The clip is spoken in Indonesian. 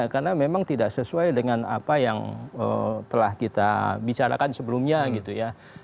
karena memang tidak sesuai dengan apa yang telah kita bicarakan sebelumnya gitu ya